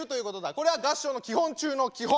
これは合唱の基本中の基本。